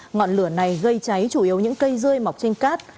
ngọn lửa này gây cháy chủ yếu những cây rươi mọc trên cát